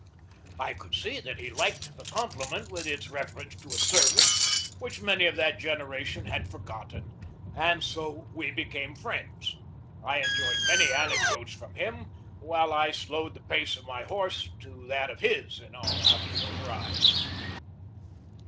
I could see that he liked the compliment with its reference to a service which many of that genera tion had forgotten, and so we became good friends. I enjoyed many anecdotes from him when I slowed the pace of my horse to that of his in our afternoon rides.